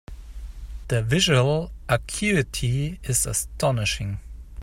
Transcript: The visual acuity is astonishing.